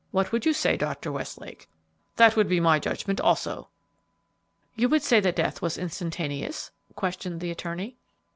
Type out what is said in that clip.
"What would you say, Dr. Westlake?" "That would be my judgment, also." "You would say that death was instantaneous?" questioned the attorney.